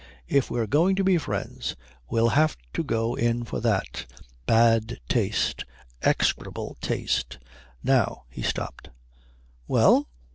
If we're going to be friends we'll have to go in for that. Bad taste. Execrable taste. Now " He stopped. "Well?"